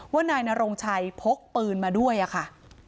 ว่านายนโรงชัยพกปืนมาด้วยอะค่ะ